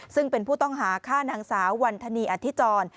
ซึ่งเป็นผู้ต้องหาฆ่านางสาววันธนีอธิจร